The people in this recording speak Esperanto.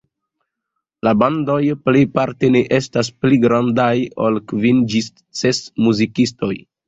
La bandoj plejparte ne estas pli grandaj ol kvin ĝis ses muzikistoj.